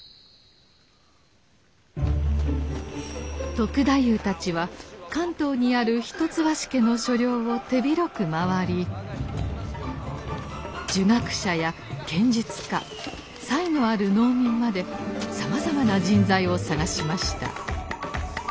篤太夫たちは関東にある一橋家の所領を手広く回り儒学者や剣術家才のある農民までさまざまな人材を探しました。